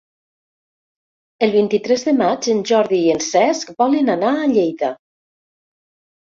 El vint-i-tres de maig en Jordi i en Cesc volen anar a Lleida.